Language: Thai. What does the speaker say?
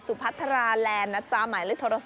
สุพัฒนาแหลนนะจ๊ะ